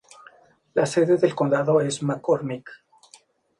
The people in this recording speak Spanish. La sede del condado es McCormick.